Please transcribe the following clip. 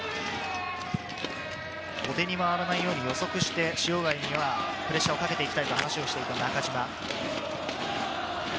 後手に回らないように予測して、塩貝にはプレッシャーをかけていきたいと話をしていた中嶋。